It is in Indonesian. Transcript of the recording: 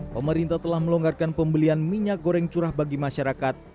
pemerintah telah melonggarkan pembelian minyak goreng curah bagi masyarakat